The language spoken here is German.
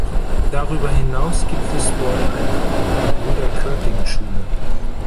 Darüber hinaus gibt es dort eine Gebrüder-Körting-Schule.